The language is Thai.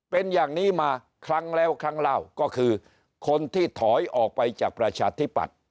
เป็นอย่างนี้มาครั้งแล้วครั้งเล่าก็คือคนที่ถอยออกไปจากประชาธิปัตย์